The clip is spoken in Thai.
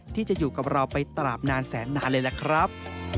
ที่จะอยู่กับเราไปตราบนานแสนนานเลยล่ะครับ